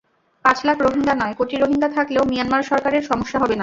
পাঁচ লাখ রোহিঙ্গা নয়, কোটি রোহিঙ্গা থাকলেও মিয়ানমার সরকারের সমস্যা হবে না।